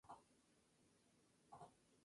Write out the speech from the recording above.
Es una filial propiedad total de Korean Air.